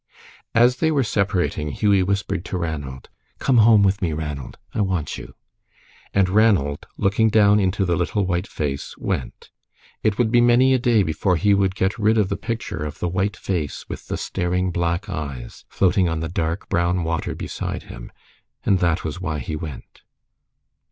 As they were separating, Hughie whispered to Ranald, "Come home with me, Ranald. I want you." And Ranald, looking down into the little white face, went. It would be many a day before he would get rid of the picture of the white face, with the staring black eyes, floating on the dark brown water beside him, and that was why he went.